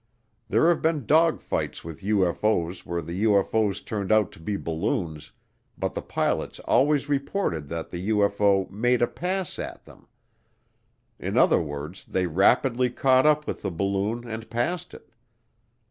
There have been dogfights with UFO's where the UFO's turned out to be balloons, but the pilots always reported that the UFO "made a pass" at them. In other words, they rapidly caught up with the balloon and passed it.